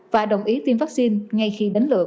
và đồng ý tiêm vaccine ngay khi đến lượt